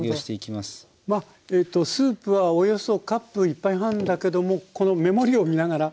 スープはおよそカップ１杯半だけどもこの目盛りを見ながら。